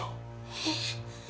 えっ？